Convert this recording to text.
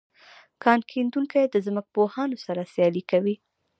کان کیندونکي د ځمکپوهانو سره سیالي کوي